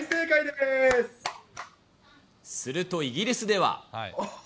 するとイギリスでは。